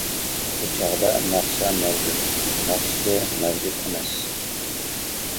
بۇ چاغدا ناخشا مەۋجۇت ناخشىچى مەۋجۇت ئەمەس.